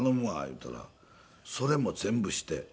言うたらそれも全部して。